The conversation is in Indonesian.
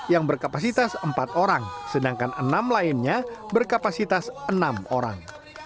yang berkapasitas empat orang sedangkan enam lainnya berkapasitas enam orang